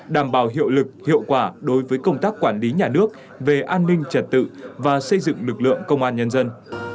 đảm bảo hiệu lực hiệu quả đối với công tác quản lý nhà nước về an ninh trật tự và xây dựng lực lượng công an nhân dân